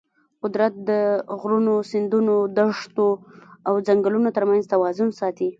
قدرت د غرونو، سیندونو، دښتو او ځنګلونو ترمنځ توازن ساتي.